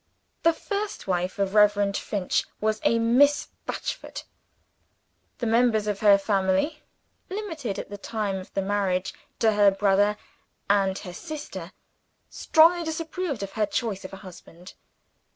The first wife of Reverend Finch was a Miss Batchford. The members of her family (limited at the time of the marriage to her brother and her sister) strongly disapproved of her choice of a husband.